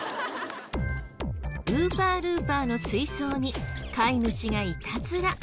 ウーパールーパーの水槽に飼い主がいたずら。